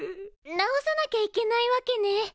治さなきゃいけないわけね。